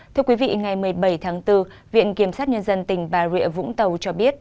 thưa quý vị ngày một mươi bảy tháng bốn viện kiểm sát nhân dân tỉnh bà rịa vũng tàu cho biết